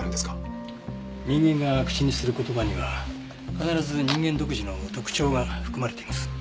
人間が口にする言葉には必ず人間独自の特徴が含まれています。